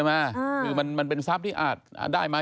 ใช่มั้ยคือมันเป็นทรัพย์ที่อาจได้มา